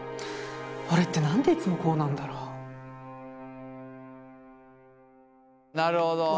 俺って何でいつもこうなんだろうなるほど。